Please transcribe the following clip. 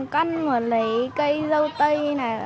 con muốn lấy cây râu tây